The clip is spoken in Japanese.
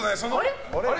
あれ？